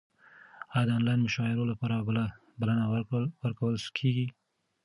ایا د انلاین مشاعرو لپاره بلنه ورکول کیږي؟